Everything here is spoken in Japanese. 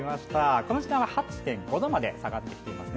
この時間は８．５度まで下がってきていますね。